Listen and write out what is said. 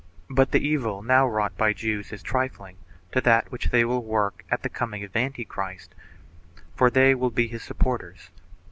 '71 But the evil now wrought by Jews is trifling to that which they will work at the coming of Antichrist, for they will be his supporters.